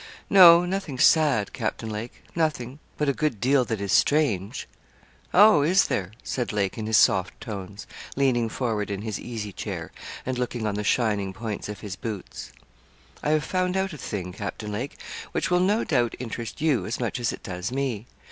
'No nothing sad, Captain Lake nothing but a good deal that is strange.' 'Oh, is there?' said Lake, in his soft tones, leaning forward in his easy chair, and looking on the shining points of his boots. 'I have found out a thing, Captain Lake, which will no doubt interest you as much as it does me.